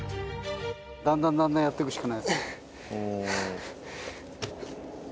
だんだんだんだんやってくしかないです。